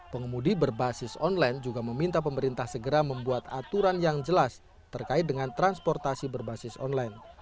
pengemudi berbasis online juga meminta pemerintah segera membuat aturan yang jelas terkait dengan transportasi berbasis online